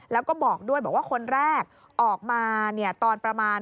แล้วก็บอกด้วยบอกว่าคนแรกออกมาตอนประมาณ